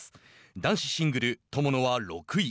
男子シングル、友野は６位。